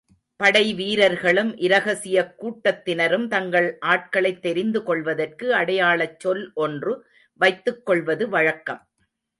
படைவீரர்களும், இரகசியக் கூட்டத்தினரும், தங்கள் ஆட்களைத் தெரிந்து கொள்வதற்கு அடையாளச்சொல் ஒன்று வைத்துக் கொள்வது வழக்கம்.